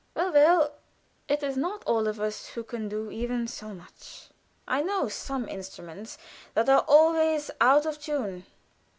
Well, well! it is not all of us who can do even so much. I know some instruments that are always out of tune.